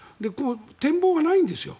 展望がないんですよ。